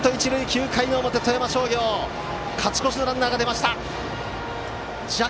９回の表、富山商業勝ち越しのランナーが出ました。